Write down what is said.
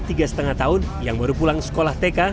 tiga setengah tahun yang baru pulang sekolah tk